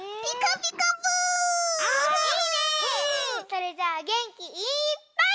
それじゃあげんきいっぱい。